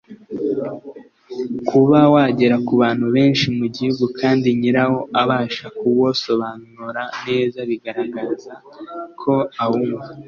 kuba wagera ku bantu benshi mu gihugu kandi nyirawo abasha kuwosobanura neza bigaragaza ko awumva